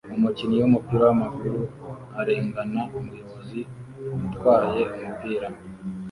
Umukinnyi wumupira wamaguru arengana umuyobozi utwaye umupira